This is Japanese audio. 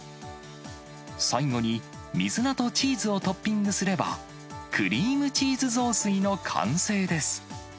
最後に、水菜とチーズをトッピングすれば、クリームチーズ雑炊の完成です。